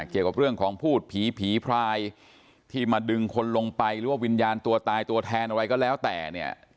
เกี่ยวกับเรื่องของพูดผีผีพรายที่มาดึงคนลงไปหรือว่าวิญญาณตัวตายตัวแทนอะไรก็แล้วแต่เนี่ย